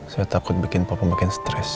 saya takut bikin papa bikin stres